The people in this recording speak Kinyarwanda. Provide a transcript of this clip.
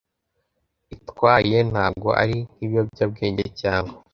itwaye ntabwo ari nk ibiyobyabwenge cyangwa